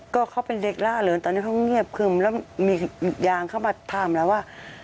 ก็เขาเป็นเด็กล่าเริงตอนนี้เขาเงียบคึมแล้วมียางเข้ามาถามเราว่า